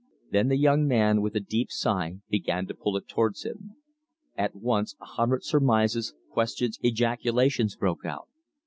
Then the young man with a deep sigh began to pull it towards him. At once a hundred surmises, questions, ejaculations broke out.